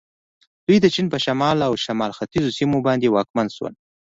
دوی د چین په شمال او شمال ختیځو سیمو باندې واکمن شول.